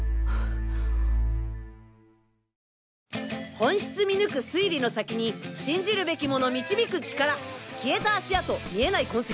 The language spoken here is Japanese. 本質見抜く推理の先に信じるべきもの導く力消えた足跡見えない痕跡